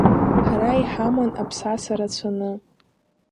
Ҳара иҳаман аԥсаса рацәаны.